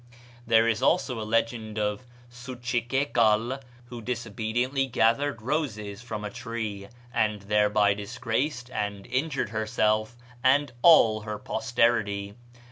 There is also a legend of Suchiquecal, who disobediently gathered roses from a tree, and thereby disgraced and injured herself and all her posterity.